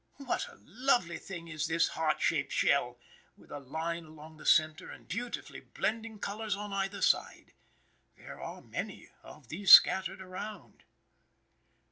What a lovely thing is this heart shaped shell, with a line along the centre, and beautifully blending colors on either side. There are many of these scattered around.